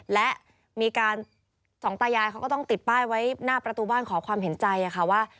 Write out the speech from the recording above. และมีการสองตายายเขาก็ต้องติดป้ายไว้หน้าประตูบ้านขอความเห็นใจค่ะว่า